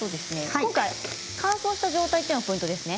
今回、乾燥した状態がポイントですね。